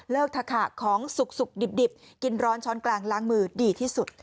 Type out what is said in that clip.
ถักของสุกดิบกินร้อนช้อนกลางล้างมือดีที่สุด